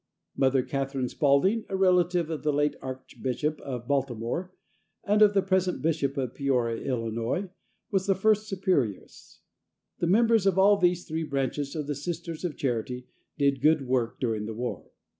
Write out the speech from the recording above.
Mother Catherine Spalding, a relative of the late Archbishop of Baltimore, and of the present Bishop of Peoria, Ill., was the first Superioress. The members of all these three branches of the Sisters of Charity did good work during the war.